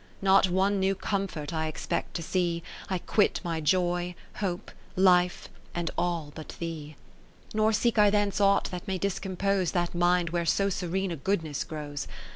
( 5S6 ) Not one new comfort I expect to see, I quit my Joy, Hope, Life, and all but thee ; Nor seek I thence aught that may discompose That mind where so serene a good ness grows.